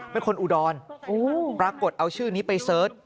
อุดรปรากฏเอาชื่อนี้ไปเสิร์ช